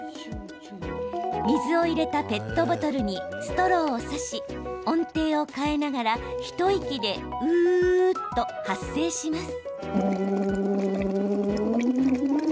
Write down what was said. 水を入れたペットボトルにストローを差し音程を変えながら一息で「うー」と発声します。